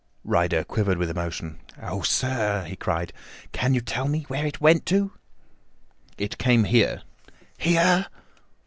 Ryder quivered with emotion. "Oh, sir," he cried, "can you tell me where it went to?" "It came here." "Here?"